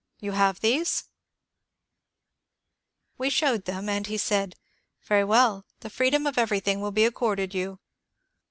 You have these ?" We showed them, and he said, " Very well ; the freedom of everything will be accorded you."